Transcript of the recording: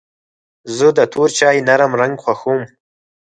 زه د تور چای نرم رنګ خوښوم.